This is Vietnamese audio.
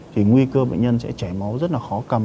thì nguy cơ bệnh nhân sẽ chảy máu rất là khó cầm